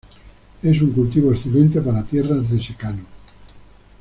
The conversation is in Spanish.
Es un cultivo excelente para tierras de secano.